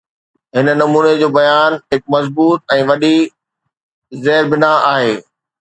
هن نموني جو بنياد هڪ مضبوط ۽ وڏي زيربنا آهي.